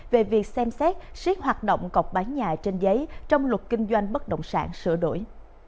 về việc xem xét siết hoạt động cọc bán nhà trên giấy trong luật kinh doanh bất động sản sửa đổi